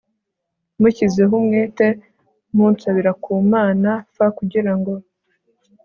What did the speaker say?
mushyizeho umwete munsabira ku mana f kugira ngo